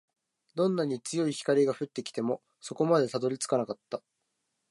どんなに強い光が降ってきても、底までたどり着かなかった